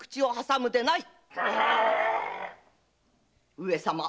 上様。